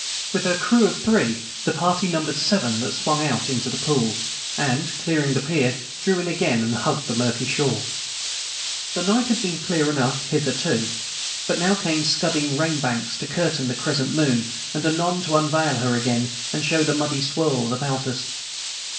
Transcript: With her crew of three, the party numbered seven that swung out into the Pool, and, clearing the pier, drew in again and hugged the murky shore. The night had been clear enough hitherto, but now came scudding rainbanks to curtain the crescent moon, and anon to unveil her again and show the muddy swirls about us.